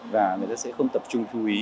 và người ta sẽ không tập trung chú ý